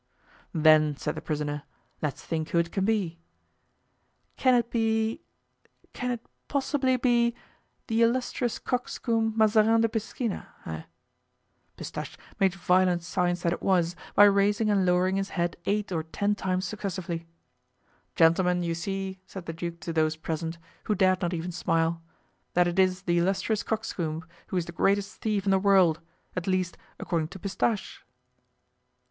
"Then," said the prisoner, "let's think who it can be. Can it be, can it possibly be, the 'Illustrious Coxcomb, Mazarin de Piscina,' hey?" Pistache made violent signs that it was, by raising and lowering his head eight or ten times successively. "Gentlemen, you see," said the duke to those present, who dared not even smile, "that it is the 'Illustrious Coxcomb' who is the greatest thief in the world; at least, according to Pistache."